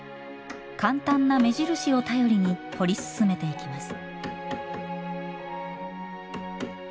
簡単な目印を頼りに彫り進めていきます。